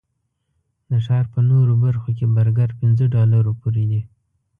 د ښار په نورو برخو کې برګر پنځه ډالرو پورې دي.